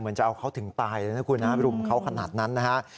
เหมือนจะเอาเขาถึงตายเลยนะคุณรุมเขาขนาดนั้น